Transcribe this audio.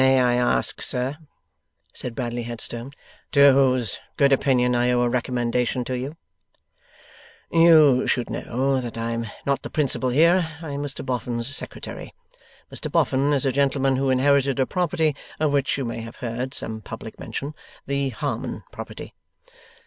'May I ask, sir,' said Bradley Headstone, 'to whose good opinion I owe a recommendation to you?' 'You should know that I am not the principal here. I am Mr Boffin's Secretary. Mr Boffin is a gentleman who inherited a property of which you may have heard some public mention; the Harmon property.